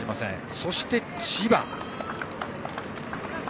そして千葉。